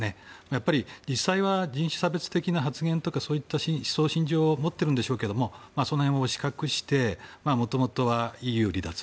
やっぱり実際は人種差別的な発言とかそういった思想・信条を持っているんでしょうけどその辺を押し隠してもともとはＥＵ離脱